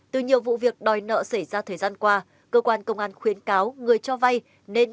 từ nhiều vụ việc đòi nợ xảy ra thời gian qua cơ quan công an khuyến cáo người cho vay nên